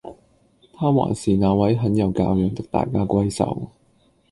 她還是那位很有教養的大家閏秀